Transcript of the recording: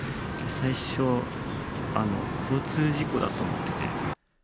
最初、交通事故だと思ってて。